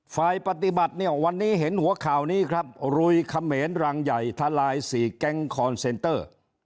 ฝ่ายปฏิบัติเนี่ยวันนี้เห็นหัวข่าวนี้ครับลุยเขมรรังใหญ่ทลาย๔แก๊งคอนเซนเตอร์